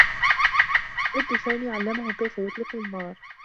جدّ سامي علّمه كيف يطلق النّار.